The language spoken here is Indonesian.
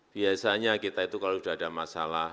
biasanya kita itu kalau sudah ada masalah